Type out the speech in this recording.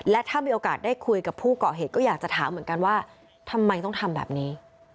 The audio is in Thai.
และถ้ามีโอกาสได้คุยกับผู้เกาะเหตุก็อยากจะถามเหมือนกันว่าทำไมต้องทำแบบนี้